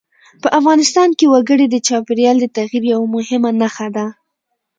په افغانستان کې وګړي د چاپېریال د تغیر یوه مهمه نښه ده.